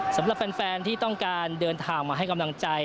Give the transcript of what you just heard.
สำหรับแฟนที่ต้องการเดินทางมาให้กำลังใจ